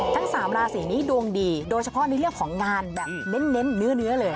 ทั้ง๓ราศีนี้ดวงดีโดยเฉพาะในเรื่องของงานแบบเน้นเนื้อเลย